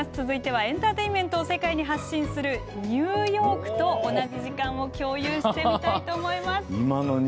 続いてはエンターテインメントを世界に発信するニューヨークと同じ時間を共有してみたいと思います。